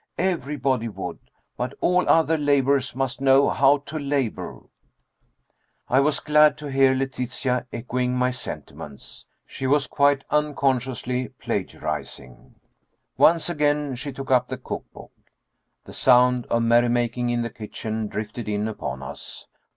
Everybody would. But all other laborers must know how to labor." I was glad to hear Letitia echoing my sentiments. She was quite unconsciously plagiarizing. Once again she took up the cook book. The sound of merrymaking in the kitchen drifted in upon us.